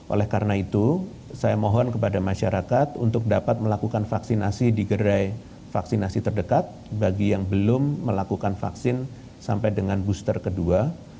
oleh karena itu saya mohon kepada masyarakat untuk dapat melakukan vaksinasi di gerai vaksinasi terdekat bagi yang belum melakukan vaksin sampai dengan booster kedua